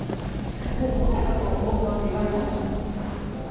もう来ないかと思ったって言われました。